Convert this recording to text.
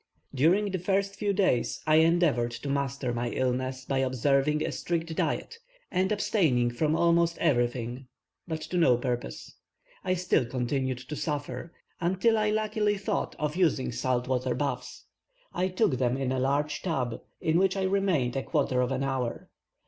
During the first few days, I endeavoured to master my illness by observing a strict diet, and abstaining from almost everything, but to no purpose. I still continued to suffer, until I luckily thought of using salt water baths. I took them in a large tub, in which I remained a quarter of an hour.